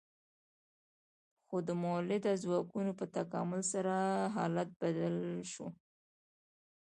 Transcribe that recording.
خو د مؤلده ځواکونو په تکامل سره حالت بدل شو.